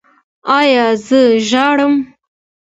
ایا زه ژاړم؟